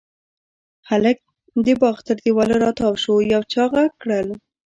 هلک د باغ تر دېواله را تاو شو، يو چا غږ کړل: